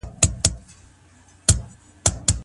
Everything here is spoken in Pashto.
آیا پر مور باندې د ماشوم تعليم واجب دی؟